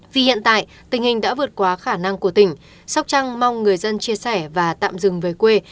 vì hiện tại tình hình đã vượt qua khả năng của tỉnh sóc trăng mong người dân chia sẻ và tạm dừng về quê